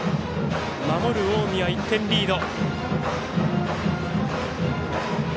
守る近江は１点リード。